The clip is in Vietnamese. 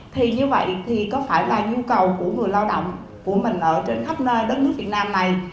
thì như vậy thì có phải là nhu cầu của người lao động của mình ở trên khắp nơi đất nước việt nam này